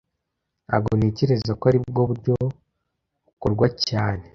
Ntago ntekereza ko aribwo buryo bukorwa cyane